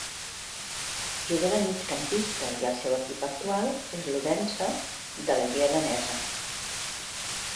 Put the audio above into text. Juga de migcampista i el seu equip actual és l'Odense de la lliga danesa.